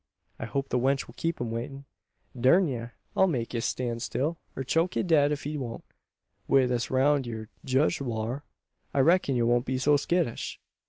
I hope the wench will keep him waitin'. Durn ye! I'll make ye stan' still, or choke ye dead ef ye don't. Wi' this roun' yur jugewlar, I reck'n ye won't be so skittish."